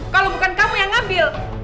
kalau bukan kamu yang ngambil